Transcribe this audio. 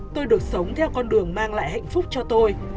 tôi được sống theo con đường mang lại hạnh phúc cho tôi